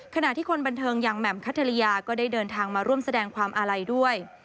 ขณะที่คนบันเทิงอย่างแหม่มคัทริยาก็ได้เดินทางมาร่วมแสดงความอาลัยด้วย